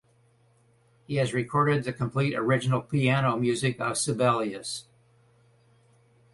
He has recorded the complete original piano music of Sibelius.